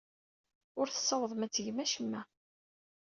Ur tessawaḍem ad tgem acemma.